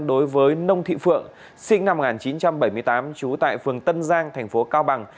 đối với nông thị phượng sinh năm một nghìn chín trăm bảy mươi tám trú tại phường tân giang thành phố cao bằng